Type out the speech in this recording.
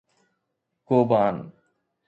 گوبان